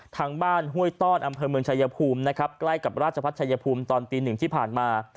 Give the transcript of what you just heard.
ทางบ้านห้วยต้อนอำเภอเมืองชายภูมินะครับใกล้กับราชพัฒนชายภูมิตอนตีหนึ่งที่ผ่านมา